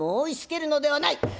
「申しつけるのではない。